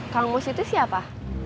kang mus itu siapa